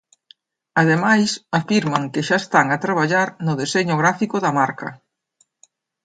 Ademais, afirman que xa están a traballar no deseño gráfico da marca.